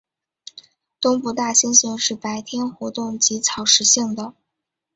东部大猩猩是白天活动及草食性的。